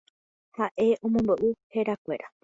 ha omombe'u herakuéra.